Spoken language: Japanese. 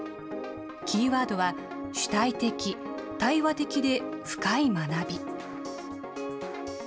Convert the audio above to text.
キーワードは、主体的・対話的で深い学び。